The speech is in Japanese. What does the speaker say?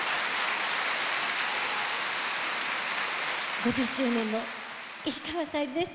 ５０周年の石川さゆりです。